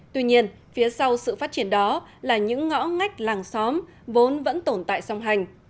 tuy nhiên phía sau sự phát triển đó là những ngõ ngách làng xóm vốn vẫn tồn tại song hành